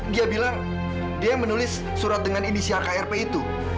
dia bilang dia yang menulis surat dengan indisi akrp itu